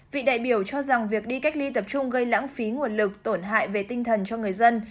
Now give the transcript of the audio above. vị đại biểu cho rằng việc đi cách ly tập trung gây lãng phí nguồn lực tổn hại về tinh thần cho người dân